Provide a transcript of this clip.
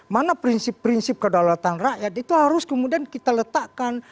mana prinsip prinsip kedaulatan rakyat itu harus kemudian kita letakkan